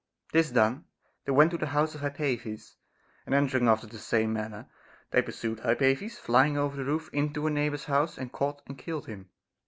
This done, they went to the house of Hypates, and entering after the same manner, they pursued Hypates, flying over the roof into a neighbor's house, and caught and killed him.